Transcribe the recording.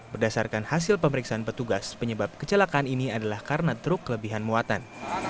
berdasarkan hasil pemeriksaan petugas penyebab kecelakaan ini adalah karena truk kelebihan muatan